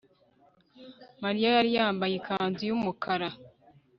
Mariya yari yambaye ikanzu yumukara